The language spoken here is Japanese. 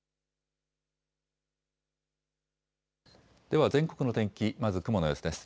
では全国の天気、まず雲の様子です。